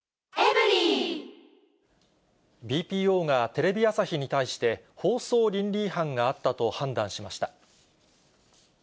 ＢＰＯがテレビ朝日に対して、放送倫理違反があったと判断しました。